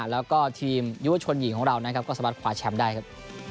แล้วก็ทีมยุวชนหญิงของเรานะครับก็สามารถคว้าแชมป์ได้ครับ